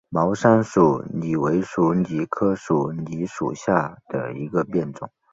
毛山鼠李为鼠李科鼠李属下的一个变种。